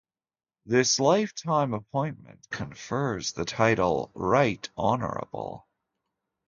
This life-time appointment confers the title "Right Honourable".